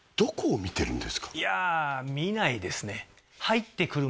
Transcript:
いや見ないですね何だ？